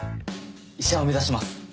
医者を目指します。